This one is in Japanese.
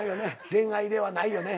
恋愛ではないよね？